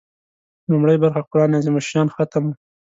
لومړۍ برخه قران عظیم الشان ختم و.